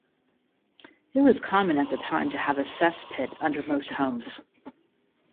It was common at the time to have a cesspit under most homes.